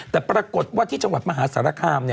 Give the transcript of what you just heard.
แต่ปรากฏว่าที่จังหวัดมหาสารคาม